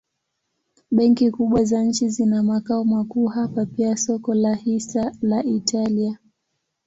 Benki kubwa za nchi zina makao makuu hapa pia soko la hisa la Italia.